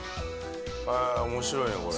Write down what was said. へえ面白いねこれ。